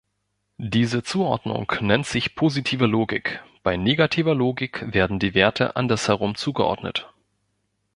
Diese Zuordnung nennt sich positive Logik, bei negativer Logik werden die Werte andersherum zugeordnet.